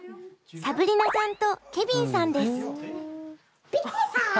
サブリナさんとケビンさんです。